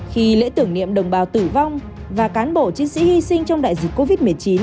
khi lễ tưởng niệm đồng bào tử vong và cán bộ chiến sĩ hy sinh trong đại dịch covid một mươi chín